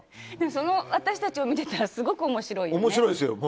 その私たちを見てたらすごく面白いよね。